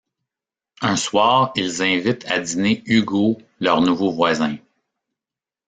Un soir, ils invitent à dîner Hugo, leur nouveau voisin.